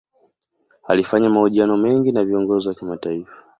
Alifanya mahojiano mengi na viongozi wa kimataifa.